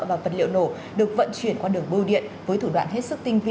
và vật liệu nổ được vận chuyển qua đường bưu điện với thủ đoạn hết sức tinh vi